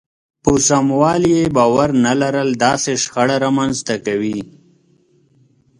په سموالي يې باور نه لرل داسې شخړه رامنځته کوي.